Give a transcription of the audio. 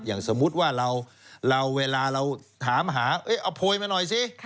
อย่างสมมุติว่าเราเวลาเราถามหาเอาโพยมาหน่อยสิ